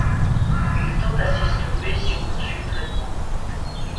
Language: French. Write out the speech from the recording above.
Ils tendent à s'estomper si on poursuit le traitement.